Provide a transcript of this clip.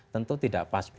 tentu tidak pasti